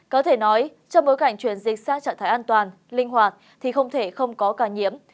có thể nói trong bối cảnh chuyển dịch sang trạng thái an toàn linh hoạt thì không thể không có ca nhiễm